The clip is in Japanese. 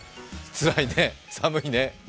つらいね、寒いね。